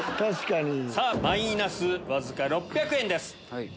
さぁマイナスわずか６００円です。